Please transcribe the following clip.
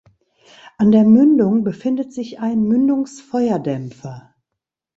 An der Mündung befindet sich ein Mündungsfeuerdämpfer.